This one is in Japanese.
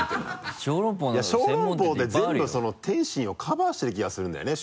いや小籠包で全部点心をカバーしてる気がするんだよね。